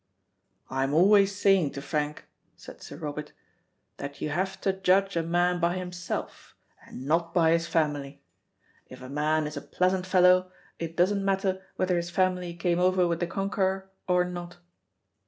"I'm always saying to Frank," said Sir Robert, "that you have to judge a man by himself, and not by his family. If a man is a pleasant fellow it doesn't matter whether his family came over with the Conqueror or not.